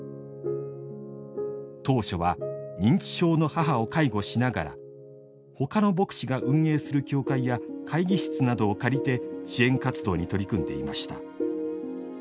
当初は認知症の母を介護しながら他の牧師が運営する教会や会議室などを借りて支援活動に取り組んでいました。